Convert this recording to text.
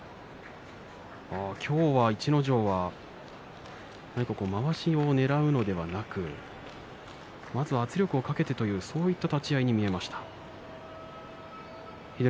今日は逸ノ城は何か、まわしをねらうのではなくまずは圧力をかけてというそういった立ち合いに見えました。